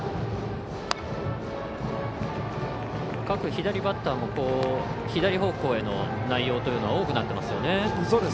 各左バッターも左方向の内容というのは多くなってますね。